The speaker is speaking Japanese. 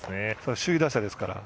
首位打者ですから。